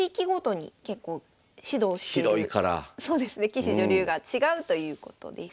棋士・女流が違うということです。